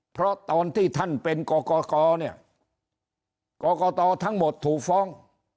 เพราะตอนที่ท่านเป็นกรกตเนี่ยกรกตทั้งหมดถูกฟ้อง